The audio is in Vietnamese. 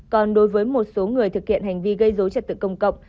còn đối với một số người thực hiện hành vi gây dối trật tự công cộng